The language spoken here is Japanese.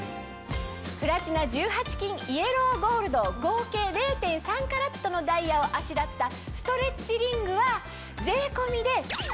プラチナ１８金イエローゴールド合計０．３カラットのダイヤをあしらったストレッチリングは。